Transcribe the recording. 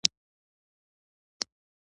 زما رقیب ابوالهدی ته ښه فرصت په لاس ورغی.